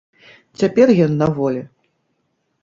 Цяпер ён на волі.